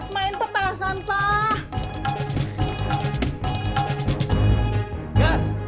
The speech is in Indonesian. main petasan pak